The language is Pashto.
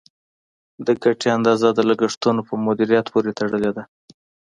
د ګټې اندازه د لګښتونو په مدیریت پورې تړلې ده.